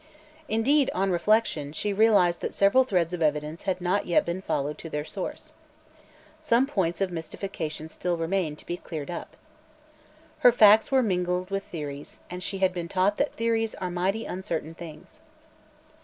Indeed, on reflection, she realized that several threads of evidence had not yet been followed to their source. Some points of mystification still remained to be cleared up. Her facts were mingled with theories, and she had been taught that theories are mighty uncertain things.